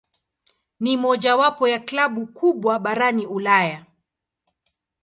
Ni mojawapo ya klabu kubwa barani Ulaya.